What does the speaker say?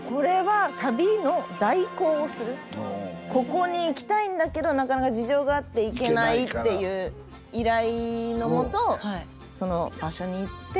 ここに行きたいんだけどなかなか事情があって行けないっていう依頼のもとその場所に行って。